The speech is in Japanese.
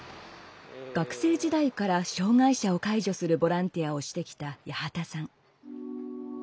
学生時代から障害者を介助するボランティアをしてきた八幡さん。